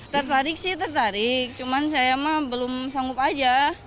tertarik sih tertarik cuman saya mah belum sanggup aja